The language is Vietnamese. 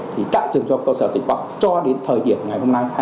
thì tạo trường cho cơ sở dịch vọng cho đến thời điểm ngày hôm nay